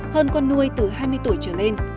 hơn con nuôi từ hai mươi tuổi trở lên